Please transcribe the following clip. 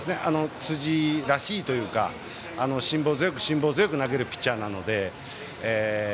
辻らしいというか辛抱強く、辛抱強く投げるピッチャーなので。